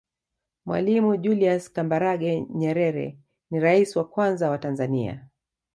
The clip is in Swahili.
mwalimu julias kambarage nyerere ni raisi wa kwanza wa tanzania